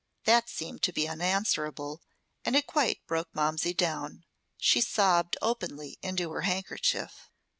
That seemed to be unanswerable, and it quite broke Momsey down. She sobbed openly into her handkerchief.